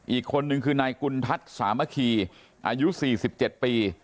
อีกคนนึงคือนายกุณทัศน์สามัคคีอายุ๔๗ปี